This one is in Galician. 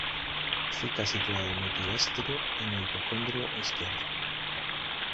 Fica situado no epigastrio e no hipocondrio esquerdo.